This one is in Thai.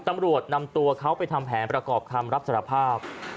ตำรวจนำตัวเขาไปทำแผนประกอบคำรับสารภาพ